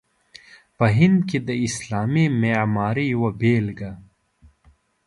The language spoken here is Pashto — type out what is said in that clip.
په هند کې د اسلامي معمارۍ یوه بېلګه.